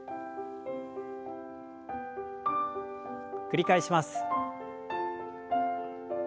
繰り返します。